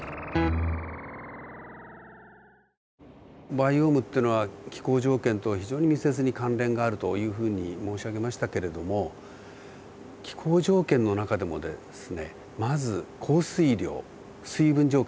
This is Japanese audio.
バイオームっていうのは気候条件とは非常に密接に関連があるというふうに申し上げましたけれども気候条件の中でもですねまず降水量水分条件ですね